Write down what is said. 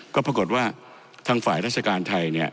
ก็ปรากฏว่าทางฝ่ายราชการไทยเนี่ย